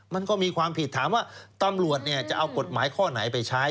มันก็มีความผิดถามว่าตำรวจจะเอากฎหมายข้อไหนไปใช้